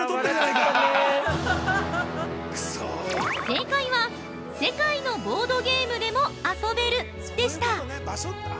◆正解は世界のボードゲームでも遊べるでした！